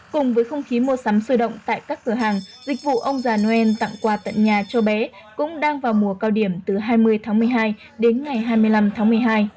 cùng với không khí mua sắm sôi động tại các cửa hàng dịch vụ ông già noel tặng quà tận nhà cho bé cũng đang vào mùa cao điểm từ hai mươi tháng một mươi hai đến ngày hai mươi năm tháng một mươi hai